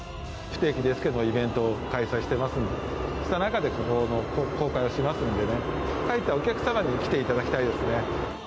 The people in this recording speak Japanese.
不定期ですけど、イベントを開催してますので、その中で公開をしますので、書いたお客様に来ていただきたいですね。